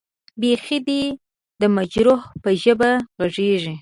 بېخي دې د مجروح به ژبه غږېږې.